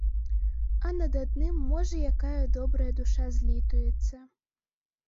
А над адным можа якая добрая душа злітуецца.